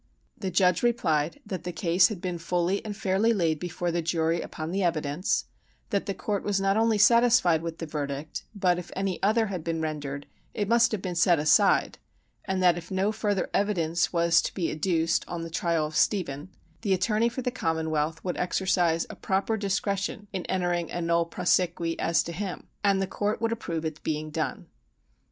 The judge replied that the case had been fully and fairly laid before the jury upon the evidence; that the court was not only satisfied with the verdict, but, if any other had been rendered, it must have been set aside; and that if no further evidence was to be adduced on the trial of Stephen, the attorney for the commonwealth would exercise a proper discretion in entering a nolle prosequi as to him, and the court would approve its being done.